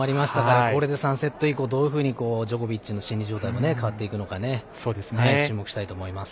これで３セット以降どういうふうにジョコビッチの心理状況変わっていくのか注目したいと思います。